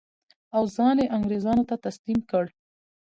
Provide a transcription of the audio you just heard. او ځان یې انګرېزانو ته تسلیم کړ.